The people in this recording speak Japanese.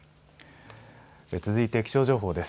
続いて気象情報です。